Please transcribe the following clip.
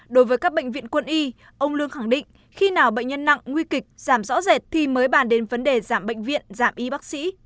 đối với các bệnh viện quân y ông lương khẳng định khi nào bệnh nhân nặng nguy kịch giảm rõ rệt thì mới bàn đến vấn đề giảm bệnh viện giảm y bác sĩ